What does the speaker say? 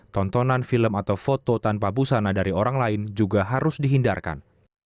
tontonan film atau foto tanpa busana dari orang lain juga harus dihindarkan